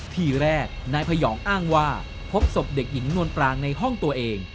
ทีแรกนายพยองอ้างว่าพบศพเด็กหญิงนวลปรางในห้องตัวเอง